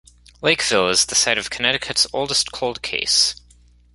Lakeville is the site of Connecticut's oldest cold case.